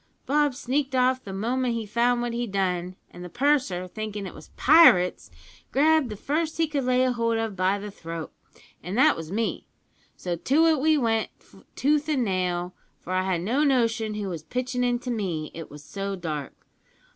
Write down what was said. Bob sneaked off the moment he found what he'd done, and the purser, thinkin' it was pirates, grabbed the first he could lay hold of by the throat, and that was me, so to it we went tooth an' nail, for I had no notion who was pitchin' into me, it was so dark.